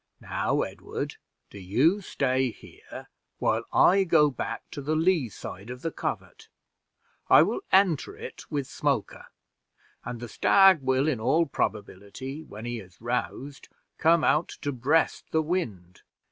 "Now, Edward, do you stay here while I go back to the lee side of the covert: I will enter it with Smoker, and the stag will, in all probability, when he is roused, come out to breast the wind.